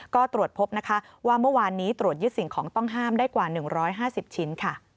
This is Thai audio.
ก็ตรวจพบนะคะว่าเมื่อวานนี้ตรวจยึดสิ่งของต้องห้ามได้กว่า๑๕๐ชิ้น